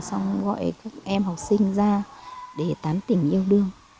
xong gọi các em học sinh ra để tán tình yêu đương